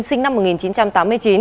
sinh năm một nghìn chín trăm tám mươi chín